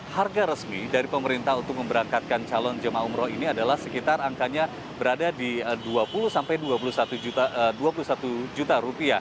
harga resmi dari pemerintah untuk memberangkatkan calon jemaah umroh ini adalah sekitar angkanya berada di rp dua puluh sampai rp dua puluh satu juta